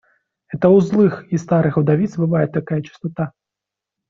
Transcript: Это у злых и старых вдовиц бывает такая чистота.